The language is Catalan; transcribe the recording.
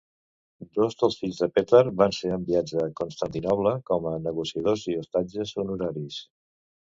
Dos dels fills de Petar van ser enviats a Constantinoble com a negociadors i ostatges honoraris.